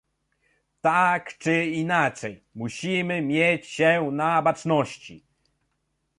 Tak czy inaczej, musimy mieć się na baczności